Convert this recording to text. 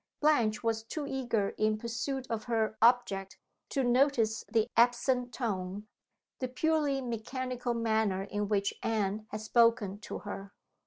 Blanche was too eager in pursuit of her object to notice the absent tone, the purely mechanical manner, in which Anne had spoken to her.